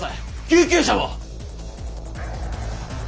救急車も！